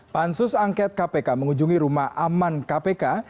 pansus angket kpk mengunjungi rumah aman kpk